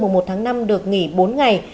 một tháng năm được nghỉ bốn ngày